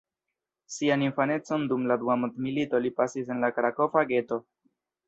Sian infanecon dum la Dua Mondmilito li pasis en la Krakova geto.